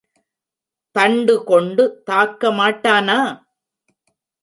தண்டுகொண்டு தாக்க மாட்டானா?